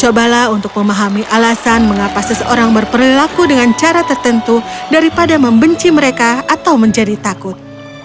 cobalah untuk memahami alasan mengapa seseorang berperilaku dengan cara tertentu daripada membenci mereka atau menjadi takut